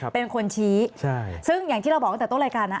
เป็นคนชี้ซึ่งอย่างที่เราบอกตั้งแต่ต้นรายการนะ